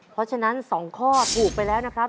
เพราะฉะนั้น๒ข้อถูกไปแล้วนะครับ